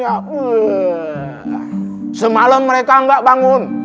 bangun jauh bu sultan gak bangun bangun setahun engkau bangun